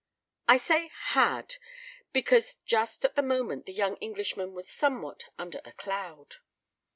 I say "had," because just at the moment the young Englishman was somewhat under a cloud.